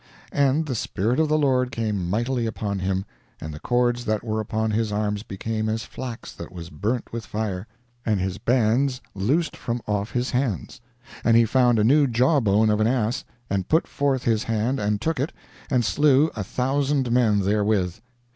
And the Spirit of the Lord came mightily upon him, and the cords that were upon his arms became as flax that was burnt with fire, and his bands loosed from off his hands. And he found a new jaw bone of an ass, and put forth his hand and took it, and slew a thousand men there with.